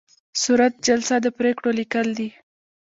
صورت جلسه د پریکړو لیکل دي